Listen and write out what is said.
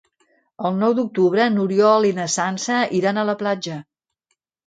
El nou d'octubre n'Oriol i na Sança iran a la platja.